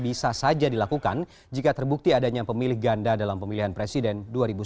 bisa saja dilakukan jika terbukti adanya pemilih ganda dalam pemilihan presiden dua ribu sembilan belas